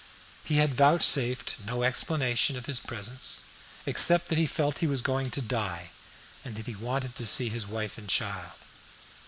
He had vouchsafed no explanation of his presence, except that he felt he was going to die, and that he wanted to see his wife and child.